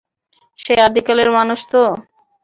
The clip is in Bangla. সে আদিকালের মানুষ তো!